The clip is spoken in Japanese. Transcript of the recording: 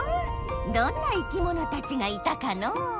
どんないきものたちがいたかのう？